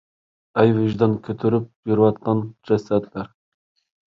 ئەي ۋىجدان كۆتۈرۈپ يۈرۈۋاتقان جەسەتلەر!!!